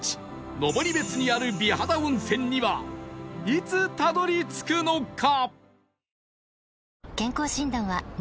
登別にある美肌温泉にはいつたどり着くのか？